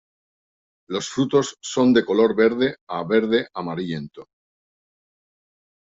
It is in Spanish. Los frutos son de color verde a verde amarillento.